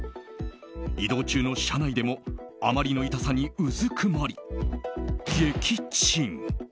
移動中の車内でもあまりの痛さにうずくまり、撃沈。